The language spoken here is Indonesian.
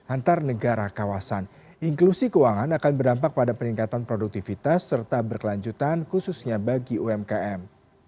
antar negara kawasan inklusi keuangan akan berdampak pada peningkatan produktivitas serta berkelanjutan khususnya bagi umkm